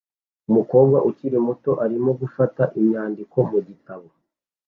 Umukobwa ukiri muto arimo gufata inyandiko mu gitabo